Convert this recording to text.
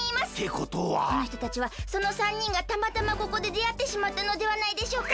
このひとたちはその３にんがたまたまここでであってしまったのではないでしょうか？